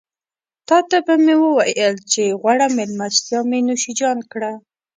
تاته به مې وويل چې غوړه مېلمستيا مې نوشيجان کړه.